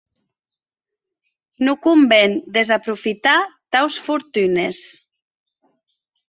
Non conven desaprofitar taus fortunes.